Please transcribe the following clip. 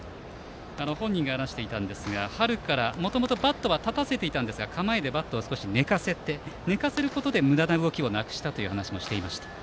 本人が話していましたが春から、もともとバットは立たせていたんですが構えでバットを少し寝かせることでむだな動きをなくしたと話していました。